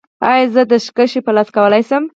ایا زه دستکشې په لاس کولی شم؟